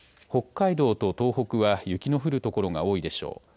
北海道と東北は雪の降る所が多いでしょう。